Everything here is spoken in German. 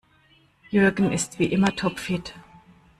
Jürgen ist wie immer topfit.